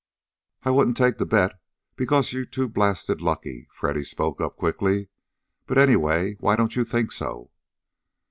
"I won't take the bet, because you're too blasted lucky," Freddy spoke up quickly. "But anyway, why didn't you think so?"